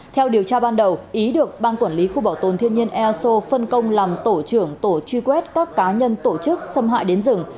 theo điều tra ban đầu ý được ban quản lý khu bảo tồn thiên nhiên easo phân công làm tổ trưởng tổ truy quét các cá nhân tổ chức xâm hại đến rừng